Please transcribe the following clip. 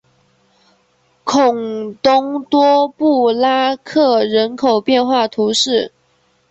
孔东多布拉克人口变化图示